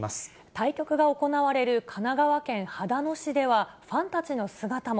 対局が行われる神奈川県秦野市では、ファンたちの姿も。